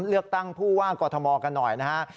เลือกตั้งผู้ว่ากอทมกันหน่อยนะฮะ